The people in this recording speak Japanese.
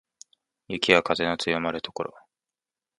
雪や風の強まる所